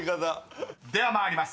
［では参ります。